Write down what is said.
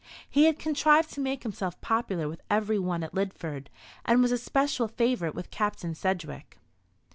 He had contrived to make himself popular with every one at Lidford, and was an especial favourite with Captain Sedgewick.